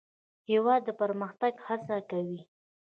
هېواد د پرمختګ هڅه کوي.